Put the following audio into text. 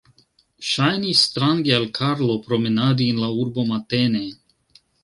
Ŝajnis strange al Karlo promenadi en la urbo matene.